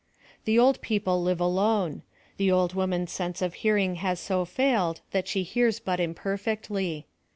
The old people live alone. The old woman's sense of hearing has so failed that she hears but imperfectly.